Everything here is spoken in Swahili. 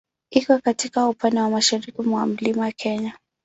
Iko katika upande wa mashariki mwa Mlima Kenya.